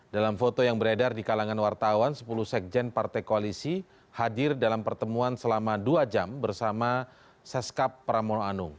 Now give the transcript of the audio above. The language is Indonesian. dalam foto yang beredar di kalangan wartawan sepuluh sekjen partai koalisi hadir dalam pertemuan selama dua jam bersama seskap pramono anung